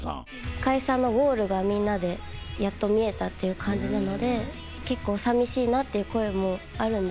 解散のゴールがみんなでやっと見えたっていう感じなので結構寂しいなっていう声もあるんですけど。